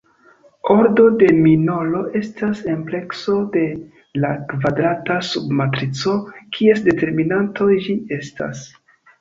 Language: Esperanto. Ordo de minoro estas amplekso de la kvadrata sub-matrico kies determinanto ĝi estas.